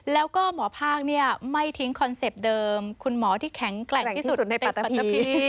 แล้วก็หมอภาคไม่ทิ้งคอนเซ็ปต์เดิมคุณหมอที่แข็งแกร่งที่สุดในปัตเตอร์พี